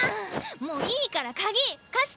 もういいから鍵貸して！